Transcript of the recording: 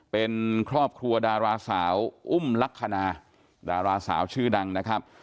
เป็นครอบครัวดาราสาวอุ้มลักษณะดาราสาวชื่อดังนะครับ